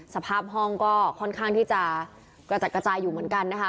สภาพห้องก็ค่อนข้างที่จะกระจัดกระจายอยู่เหมือนกันนะคะ